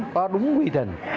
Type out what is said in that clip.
có đúng quy trình